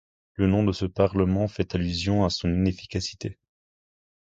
Le nom de ce parlement fait allusion à son inefficacité.